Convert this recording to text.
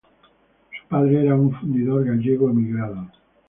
Su padre era un fundidor gallego emigrado.